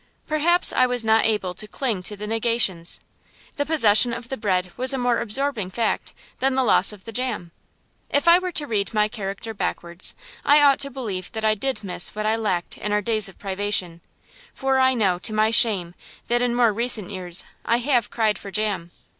Perhaps I was not able to cling to negations. The possession of the bread was a more absorbing fact than the loss of the jam. If I were to read my character backwards, I ought to believe that I did miss what I lacked in our days of privation; for I know, to my shame, that in more recent years I have cried for jam.